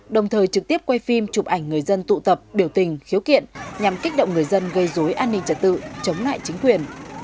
đồng thời trực tiếp quay phim chụp ảnh người dân tụ tập biểu tình khiếu kiện nhằm kích động người dân gây dối an ninh trật tự chống lại chính quyền